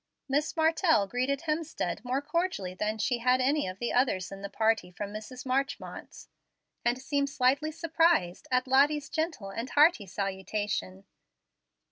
Miss Martell greeted Hemstead more cordially than she did any of the others in the party from Mrs. Marchmont's; and seemed slightly surprised at Lottie's gentle and hearty salutation.